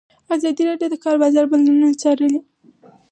ازادي راډیو د د کار بازار بدلونونه څارلي.